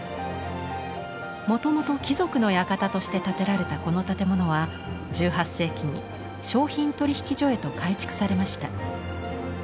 もともと貴族の館として建てられたこの建物は１８世紀に商品取引所へと改築されました。